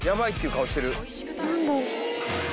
何だろう。